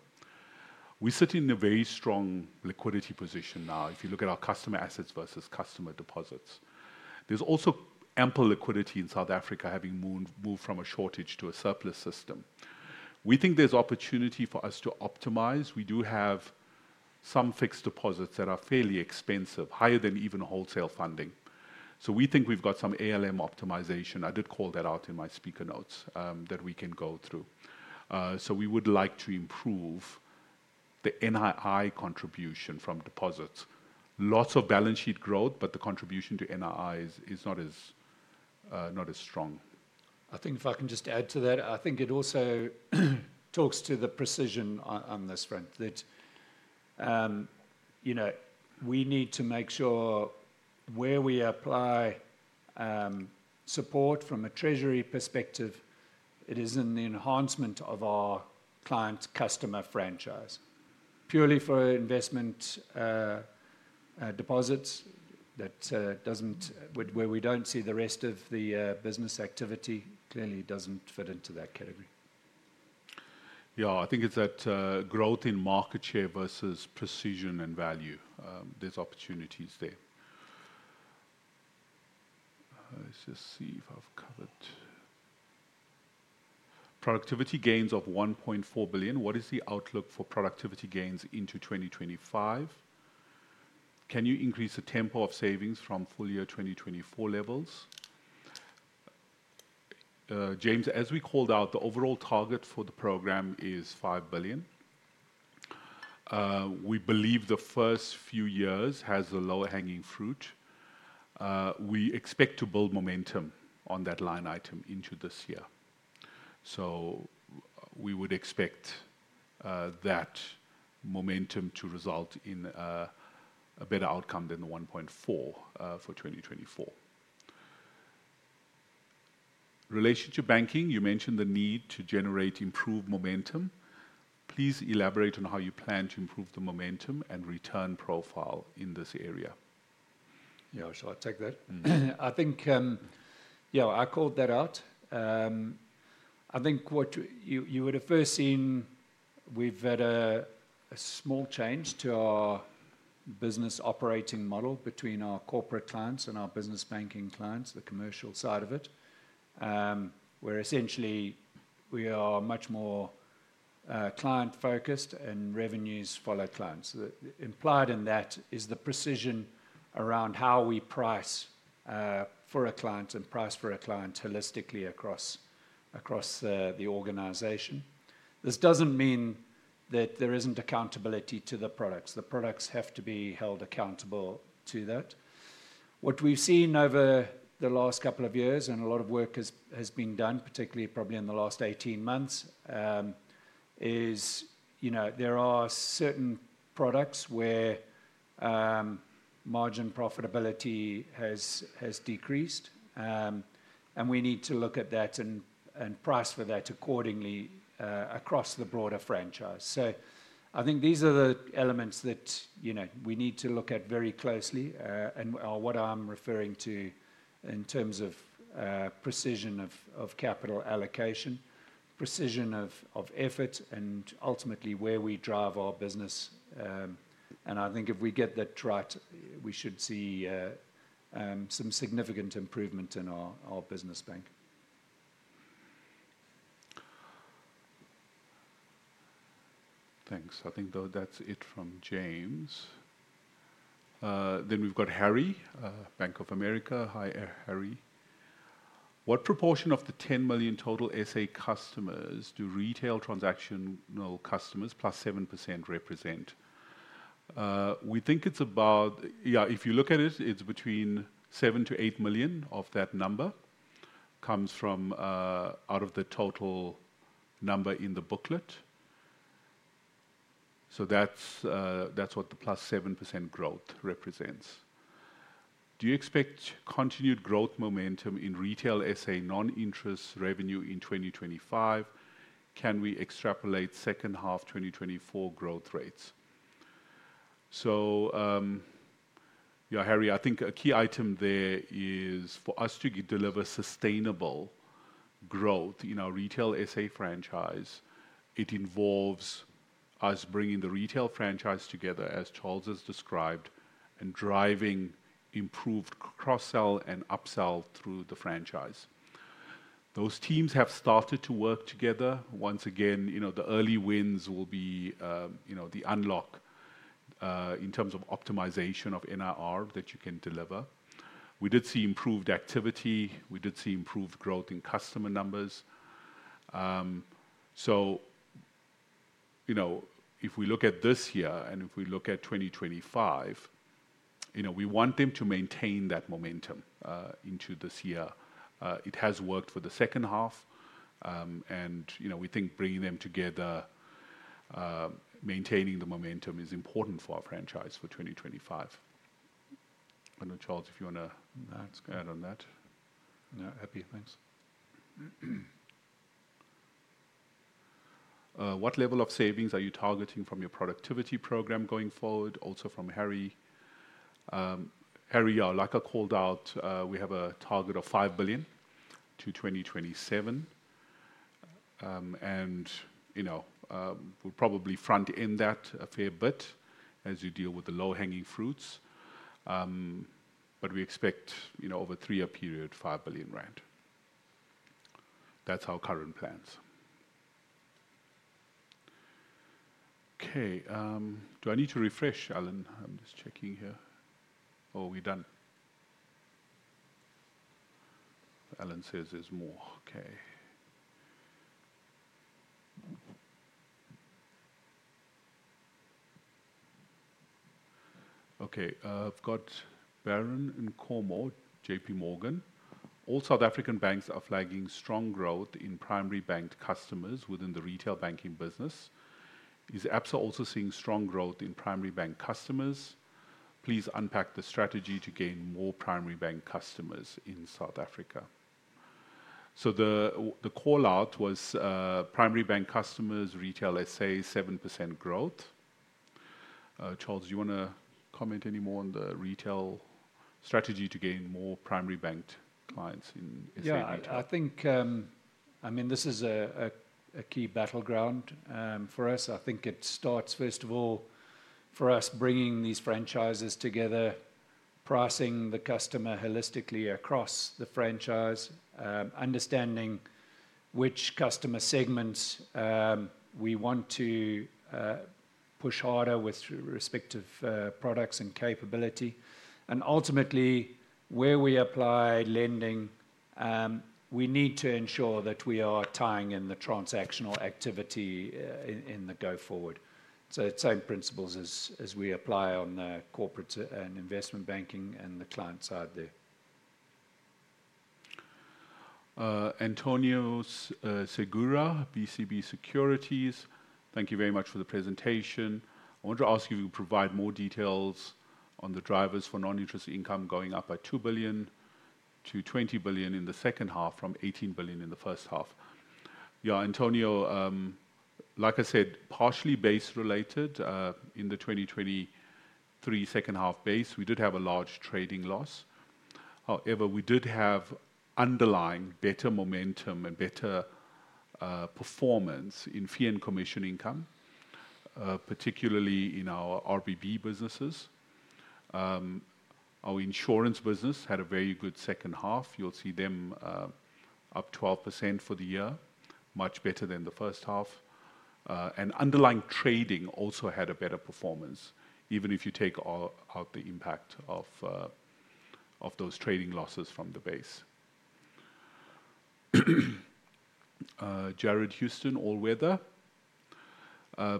We sit in a very strong liquidity position now. If you look at our customer assets versus customer deposits, there's also ample liquidity in South Africa having moved from a shortage to a surplus system. We think there's opportunity for us to optimize. We do have some fixed deposits that are fairly expensive, higher than even wholesale funding. We think we've got some ALM optimization. I did call that out in my speaker notes that we can go through. We would like to improve the NII contribution from deposits. Lots of balance sheet growth, but the contribution to NII is not as strong. I think if I can just add to that, I think it also talks to the precision on this front. We need to make sure where we apply support from a treasury perspective, it is an enhancement of our client customer franchise. Purely for investment deposits that does not, where we do not see the rest of the business activity, clearly does not fit into that category. Yeah, I think it's that growth in market share versus precision and value. There's opportunities there. Let's just see if I've covered. Productivity gains of 1.4 billion. What is the outlook for productivity gains into 2025? Can you increase the tempo of savings from full year 2024 levels? James, as we called out, the overall target for the program is 5 billion. We believe the first few years has a lower hanging fruit. We expect to build momentum on that line item into this year. We would expect that momentum to result in a better outcome than the 1.4 billion for 2024. Relation to banking, you mentioned the need to generate improved momentum. Please elaborate on how you plan to improve the momentum and return profile in this area. Yeah, sure, I'll take that. I think, yeah, I called that out. I think what you would have first seen, we've had a small change to our business operating model between our corporate clients and our business banking clients, the commercial side of it. Where essentially we are much more client focused and revenues follow clients. Implied in that is the precision around how we price for a client and price for a client holistically across the organization. This does not mean that there is not accountability to the products. The products have to be held accountable to that. What we've seen over the last couple of years and a lot of work has been done, particularly probably in the last 18 months, is there are certain products where margin profitability has decreased. We need to look at that and price for that accordingly across the broader franchise. I think these are the elements that we need to look at very closely and what I'm referring to in terms of precision of capital allocation, precision of effort, and ultimately where we drive our business. I think if we get that right, we should see some significant improvement in our business bank. Thanks. I think that's it from James. We have Harry, Bank of America. Hi, Harry. What proportion of the 10 million total SA customers do retail transactional customers plus 7% represent? We think it's about, yeah, if you look at it, it's between 7 million-8 million of that number comes out of the total number in the booklet. That's what the plus 7% growth represents. Do you expect continued growth momentum in retail SA non-interest revenue in 2025? Can we extrapolate second half 2024 growth rates? Yeah, Harry, I think a key item there is for us to deliver sustainable growth in our retail SA franchise. It involves us bringing the retail franchise together, as Charles has described, and driving improved cross-sell and upsell through the franchise. Those teams have started to work together. Once again, the early wins will be the unlock in terms of optimization of NIR that you can deliver. We did see improved activity. We did see improved growth in customer numbers. If we look at this year and if we look at 2025, we want them to maintain that momentum into this year. It has worked for the second half. We think bringing them together, maintaining the momentum is important for our franchise for 2025. I don't know, Charles, if you want to add on that. No, happy, thanks. What level of savings are you targeting from your productivity program going forward? Also from Harry. Harry, like I called out, we have a target of 5 billion to 2027. We'll probably front end that a fair bit as you deal with the low hanging fruits. We expect over a three-year period, 5 billion rand. That's our current plans. Okay, do I need to refresh, Alan? I'm just checking here. Oh, we're done. Alan says there's more. Okay. Okay, I've got Baron Nkomo, JP Morgan. All South African banks are flagging strong growth in primary bank customers within the retail banking business. Is Absa also seeing strong growth in primary bank customers? Please unpack the strategy to gain more primary bank customers in South Africa. The call out was primary bank customers, retail SA, 7% growth. Charles, do you want to comment any more on the retail strategy to gain more primary bank clients in SA? Yeah, I think, I mean, this is a key battleground for us. I think it starts, first of all, for us bringing these franchises together, pricing the customer holistically across the franchise, understanding which customer segments we want to push harder with respective products and capability. Ultimately, where we apply lending, we need to ensure that we are tying in the transactional activity in the go forward. It is same principles as we apply on the corporate and investment banking and the client side there. Antonio Segura, BCP Securities, thank you very much for the presentation. I want to ask you to provide more details on the drivers for non-interest income going up by 2 billion to 20 billion in the second half from 18 billion in the first half. Yeah, Antonio, like I said, partially base related in the 2023 second half base. We did have a large trading loss. However, we did have underlying better momentum and better performance in fee and commission income, particularly in our RBB businesses. Our insurance business had a very good second half. You'll see them up 12% for the year, much better than the first half. Underlying trading also had a better performance, even if you take out the impact of those trading losses from the base. Jared Houston, All Weather.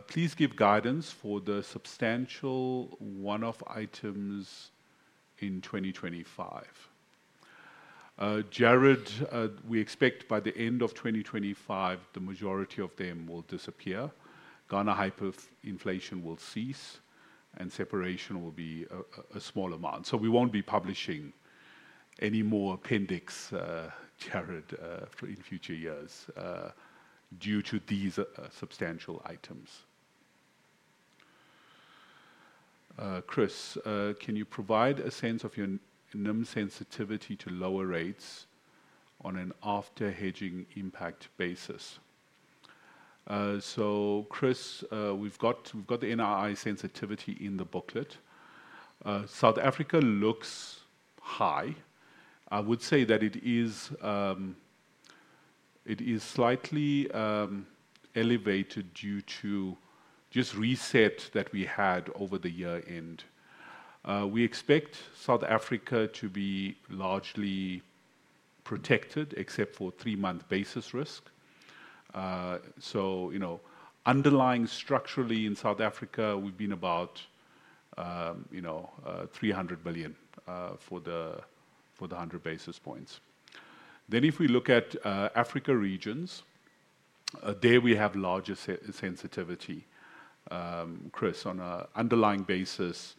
Please give guidance for the substantial one-off items in 2025. Jared, we expect by the end of 2025, the majority of them will disappear. Ghana hyperinflation will cease and separation will be a smaller month. We will not be publishing any more appendix, Jared, in future years due to these substantial items. Chris, can you provide a sense of your NIM sensitivity to lower rates on an after hedging impact basis? Chris, we have the NII sensitivity in the booklet. South Africa looks high. I would say that it is slightly elevated due to just that reset that we had over the year end. We expect South Africa to be largely protected except for three-month basis risk. Underlying structurally in South Africa, we have been about 300 million for the 100 basis points. If we look at Africa regions, there we have larger sensitivity. Chris, on an underlying basis,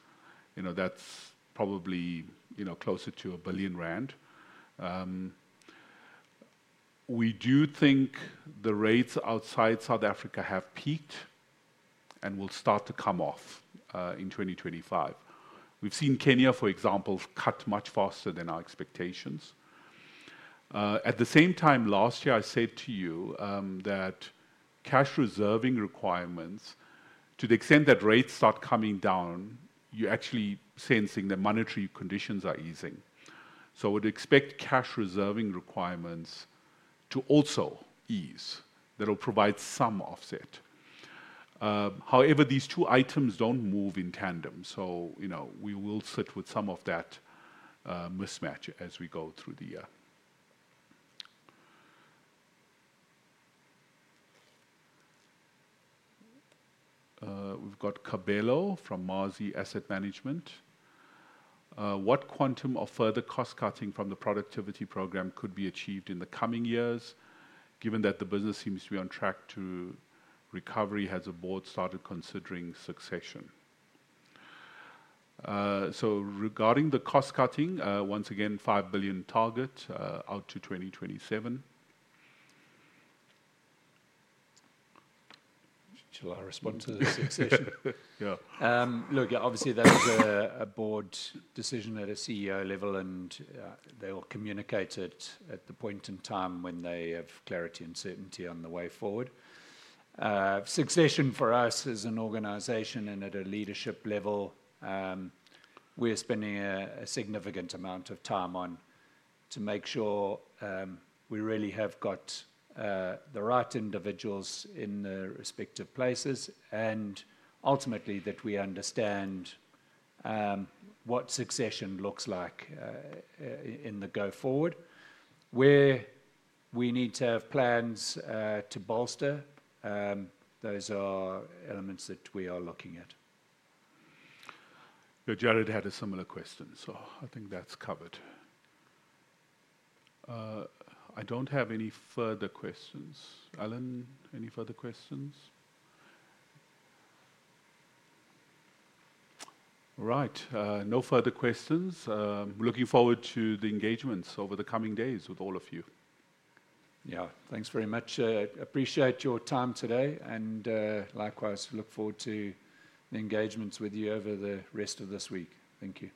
that is probably closer to 1 billion rand. We do think the rates outside South Africa have peaked and will start to come off in 2025. We've seen Kenya, for example, cut much faster than our expectations. At the same time, last year, I said to you that cash reserving requirements, to the extent that rates start coming down, you're actually sensing that monetary conditions are easing. I would expect cash reserving requirements to also ease. That'll provide some offset. However, these two items don't move in tandem. We will sit with some of that mismatch as we go through the year. We've got Kabelo from Mazi Asset Management. What quantum of further cost cutting from the productivity program could be achieved in the coming years given that the business seems to be on track to recovery as a board started considering succession? Regarding the cost cutting, once again, 5 billion target out to 2027. Shall I respond to the succession? Yeah. Look, obviously that was a board decision at a CEO level and they'll communicate it at the point in time when they have clarity and certainty on the way forward. Succession for us as an organization and at a leadership level, we're spending a significant amount of time on to make sure we really have got the right individuals in the respective places and ultimately that we understand what succession looks like in the go forward. Where we need to have plans to bolster, those are elements that we are looking at. Jared had a similar question, so I think that's covered. I don't have any further questions. Alan, any further questions? All right, no further questions. Looking forward to the engagements over the coming days with all of you. Yeah, thanks very much. I appreciate your time today and likewise look forward to the engagements with you over the rest of this week. Thank you.